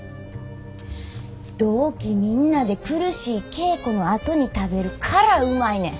同期みんなで苦しい稽古のあとに食べるからうまいねん。